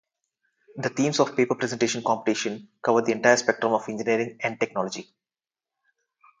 The themes of paper presentation competition cover the entire spectrum of engineering and technology.